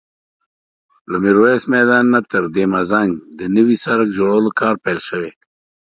له ميرويس میدان نه تر دهمزنګ د نوي سړک جوړولو کار پیل شوی